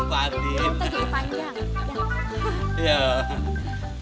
bapak jadi panjang